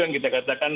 yang kita katakan